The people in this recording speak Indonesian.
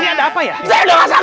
cuma ada apa sih sebenernya ini